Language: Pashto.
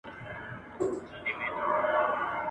خوب ئې واوره.